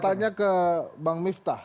bertanya ke bang miftah